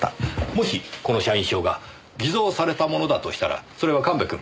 もしこの社員証が偽造されたものだとしたらそれは神戸君。